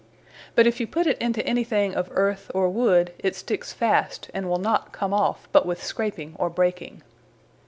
But if you put it into any thing of earth, or wood, it sticks fast, and will not come off, but with scraping, or breaking.